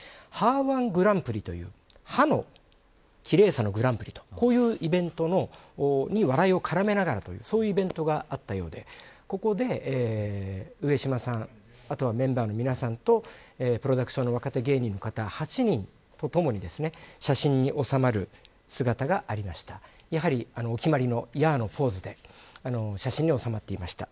歯‐１グランプリという歯の奇麗さのグランプリのイベントに笑いを絡めながらというイベントがあったようでここで、上島さんメンバーの皆さんとプロダクションの若手芸人の方８人とともに写真に収まる姿がありましたお決まりのヤーのポーズで写真に収まっていました。